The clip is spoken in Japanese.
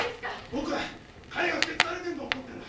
僕は彼がふてくされてんのを怒ってんだ。